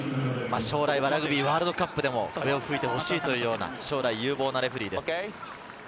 将来はラグビーワールドカップでも笛を吹いてほしいという将来有望なレフェリーです。